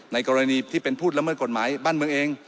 กรณีที่เป็นผู้ละเมิดกฎหมายบ้านเมืองเอง